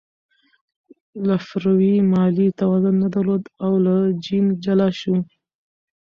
لفروی مالي توان نه درلود او له جین جلا شو.